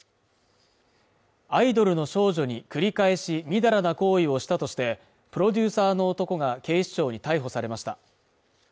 アイドルの少女に繰り返し、みだらな行為をしたとして、プロデューサーの男が警視庁に逮捕されました。